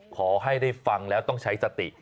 ขอให้ได้ฟังแล้วต้องใช้สติ